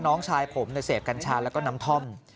น้องชายผมเสพกัญชาแล้วก็น้ำท่อม